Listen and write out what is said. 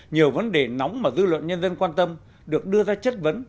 nhiều vấn đề nóng mà dư luận nhân dân quan tâm được đưa ra chất vấn